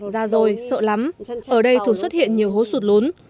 già rồi sợ lắm ở đây thường xuất hiện nhiều hố sụt lún